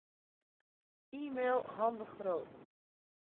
E-mail Han de Groot.